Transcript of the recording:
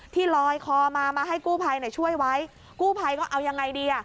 ที่ลอยคอมามาให้กู้ภัยช่วยไว้กู้ภัยก็เอายังไงดีอ่ะ